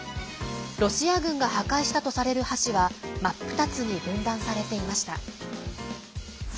ロシア軍が破壊したとされる橋は真っ二つに分断されていました。